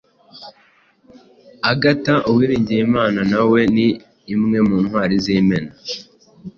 Agatha Uwilingiyimana nawe ni imwe mu ntwari z’Imena,